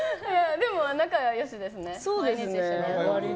でも、仲良しですね。